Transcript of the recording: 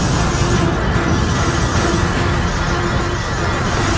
jangan sampai kau menyesal sudah menentangku